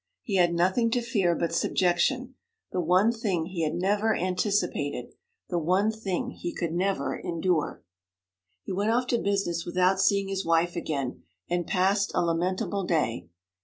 He had nothing to fear but subjection the one thing he had never anticipated, the one thing he could never endure. He went off to business without seeing his wife again, and passed a lamentable day.